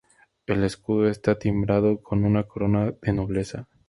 El escudo está timbrado con una corona de nobleza.